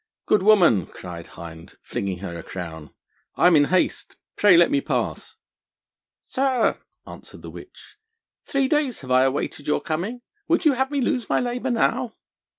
'Good woman,' cried Hind, flinging her a crown, 'I am in haste; pray let me pass.' 'Sir,' answered the witch, 'three days I have awaited your coming. Would you have me lose my labour now?'